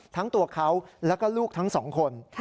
ทั้งตัวเขาแล้วก็ลูกทั้งสองคน